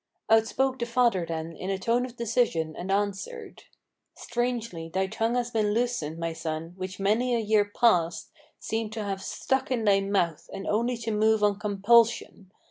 Outspoke the father then in a tone of decision, and answered: "Strangely thy tongue has been loosened, my son, which many a year past Seemed to have stuck in thy mouth, and only to move on compulsion!